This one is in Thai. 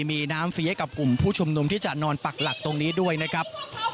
มีน้ำเฟียกับกลุ่มผู้ชุมนุมที่จะนอนปักหลักตรงนี้ด้วยนะครับ